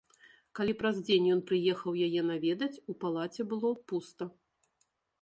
Калі праз дзень ён прыехаў яе наведаць, у палаце было пуста.